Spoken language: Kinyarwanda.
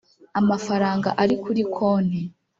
amafaranga ari kuri konti